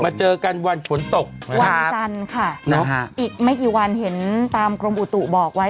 เจอกันวันฝนตกวันจันทร์ค่ะอีกไม่กี่วันเห็นตามกรมอุตุบอกไว้